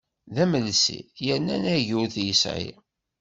D amelsi yerna anagi ur t-yesɛi.